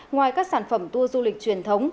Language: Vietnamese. ngoài các sản phẩm tour du lịch truyền thống